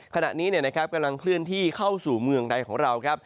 ขณะนี้กำลังเคลื่อนที่เข้าสู่เมืองใดของเราครับ